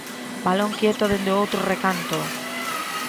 Balón quieto dende o outro recanto.